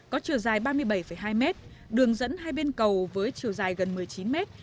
có chiều dài ba mươi bảy hai mét đường dẫn hai bên cầu với chiều dài gần một mươi chín mét